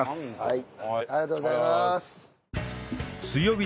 はい！